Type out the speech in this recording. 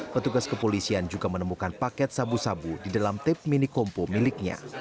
petugas kepolisian juga menemukan paket sabu sabu di dalam tap mini kompo miliknya